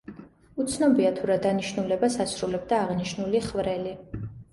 უცნობია თუ რა დანიშნულებას ასრულებდა აღნიშნული ხვრელი.